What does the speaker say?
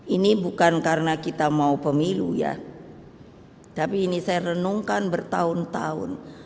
ini bukan karena kita mau pemilu ya tapi ini saya renungkan bertahun tahun